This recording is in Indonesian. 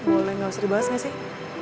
boleh gak usah dibahas gak sih